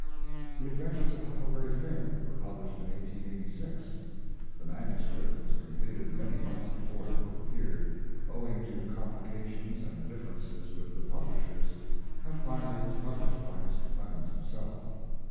"The Adventures of Huckleberry Finn" were published in 1886. The manu script was completed many months before the book appeared, owing to com plications and differences with the pub lishers, and was finally published by Mr. Clemens himself.